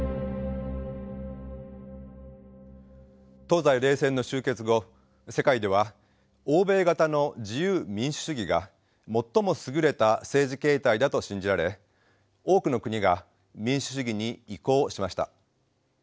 東西冷戦の終結後世界では欧米型の自由民主主義が最も優れた政治形態だと信じられ多くの国が民主主義に移行しました。